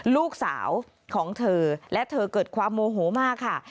ลูกสาวของเธอและเธอเกิดความโมโหมากค่ะ